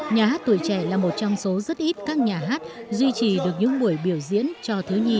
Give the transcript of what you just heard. nhà hát tuổi trẻ là một trong số rất ít các nhà hát duy trì được những buổi biểu diễn cho thiếu nhi